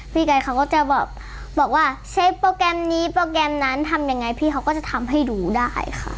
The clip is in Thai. แกเขาก็จะแบบบอกว่าใช้โปรแกรมนี้โปรแกรมนั้นทำยังไงพี่เขาก็จะทำให้ดูได้ค่ะ